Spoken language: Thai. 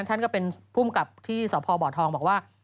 ท่านก็เป็นภูมิกับที่สพบทองบอกว่า